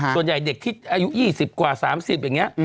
ส่วนใหญ่เด็กที่อายุ๒๐กว่า๓๐แบบนี้